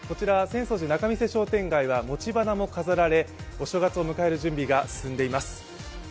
こちら浅草寺仲店商店街は餅花も飾られお正月を迎える準備が進んでいます。